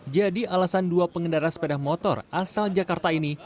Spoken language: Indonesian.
alasan dua pengendara sepeda motor asal jakarta ini